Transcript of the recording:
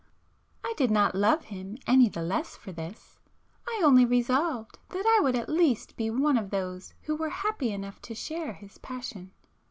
I did not love him any the less for this,—I only resolved that I would at least be one of those who were happy enough to share his passion.